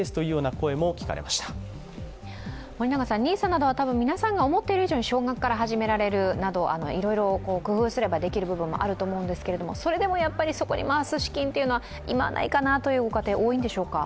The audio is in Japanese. ＮＩＳＡなどは皆さんが思っている以上に少額から始められる、いろいろ工夫すればできる部分もあると思うんですけれども、それでも底に回す資金は今はないかなというご家庭は多いんでしょうか。